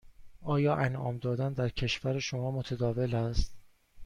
آیا انعام دادن در کشور شما متداول است؟